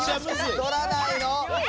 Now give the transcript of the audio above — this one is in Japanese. とらないのか？